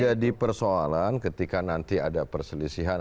jadi persoalan ketika nanti ada perselisian